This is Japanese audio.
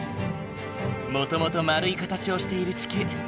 もともと丸い形をしている地球。